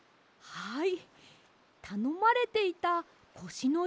はい。